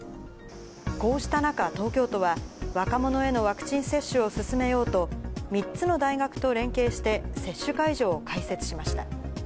こうした中、東京都は、若者へのワクチン接種を進めようと、３つの大学と連携して、接種会場を開設しました。